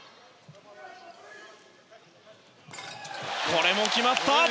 これも決まった！